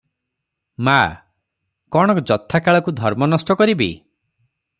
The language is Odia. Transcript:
ମା - କଣ ଯଥାକାଳକୁ ଧର୍ମ ନଷ୍ଟ କରିବି?